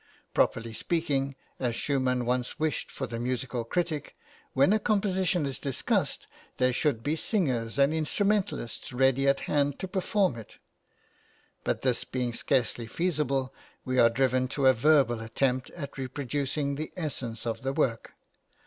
Properly speaking, as Schumann once wished for the musical critic, when a {INTRODUCTION.} (xxiii) composition is discussed, there should be singers and instrumentalists ready at hand to perform it. But this being scarcely feasible, we are driven to a verbal attempt at reproducing the essence of the work.